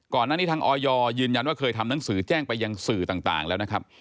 ก่อนหน้านี้ทางออยยืนยันว่าเคยทำหนังสือแจ้งไปยังสื่อต่างแล้วนะครับ